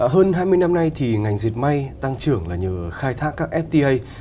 hơn hai mươi năm nay thì ngành diệt may tăng trưởng là nhờ khai thác các fta